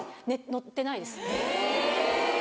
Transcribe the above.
乗ってないです。